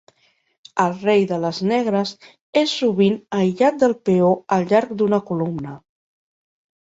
El rei de les negres és sovint aïllat del peó al llarg d'una columna.